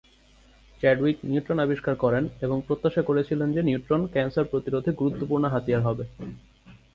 Chadwick neutron আবিষ্কার করে এবং প্রত্যাশা করেছিলেন যে নিউট্রন ক্যান্সার প্রতিরোধে গুরুত্বপূর্ণ হাতিয়ার হবে।